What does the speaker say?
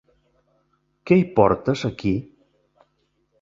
Què hi portes, aquí?